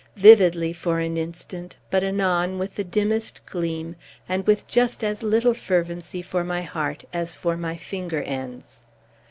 Vividly for an instant, but anon, with the dimmest gleam, and with just as little fervency for my heart as for my finger ends!